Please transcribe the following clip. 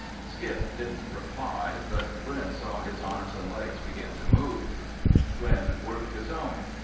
Skip didn't reply but Glen saw his arms and legs begin to move. Glen worked his own.